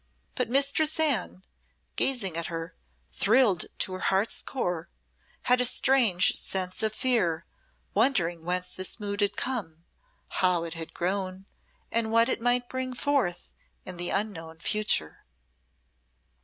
But Mistress Anne, gazing at her, thrilled to her heart's core, had a strange sense of fear, wondering whence this mood had come, how it had grown, and what it might bring forth in the unknown future.